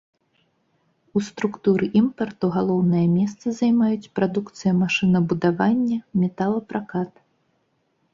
У структуры імпарту галоўнае месца займаюць прадукцыя машынабудавання, металапракат.